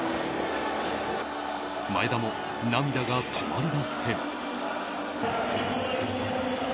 前田も涙が止まりません。